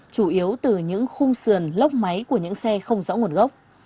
chủ yếu từ những khung sườn lốc máy của những xe không rõ nguồn gốc